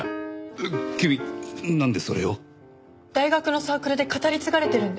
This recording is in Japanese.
えっ君なんでそれを？大学のサークルで語り継がれてるんで。